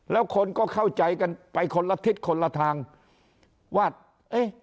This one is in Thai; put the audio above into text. แล้วคนก็เข้าใจกันไปคนละทิศคนละทางว่าเอ๊ะ